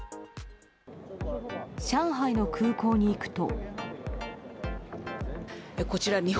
上海の空港に行くと。